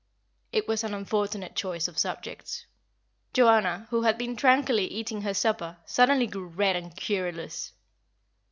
It was an unfortunate choice of subjects. Joanna, who had been tranquilly eating her supper, suddenly grew red and querulous.